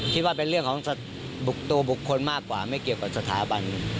คิดว่าเป็นเรื่องของตัวบุคคลมากกว่าไม่เกี่ยวกับสถาบัน